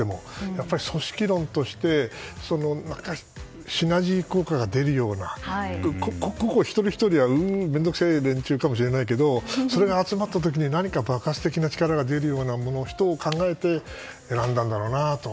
やっぱり組織論としてシナジー効果が出るような個々一人ひとりは面倒くさい連中かもしれないけどそれが集まった時に何か爆発的な力が起きることを考えて選んだんだろうなと。